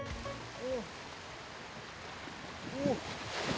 お！